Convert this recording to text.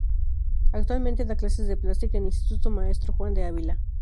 Actualmente da clases de plástica en el Instituto Maestro Juan de Ávila.